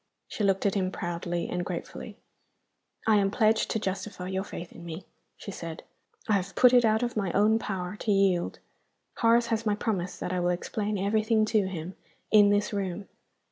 She looked at him proudly and gratefully. "I am pledged to justify your faith in me," she said. "I have put it out of my own power to yield. Horace has my promise that I will explain everything to him, in this room."